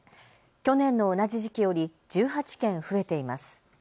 去年の同じ時期より１８件増えています。